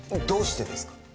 どうしてですか？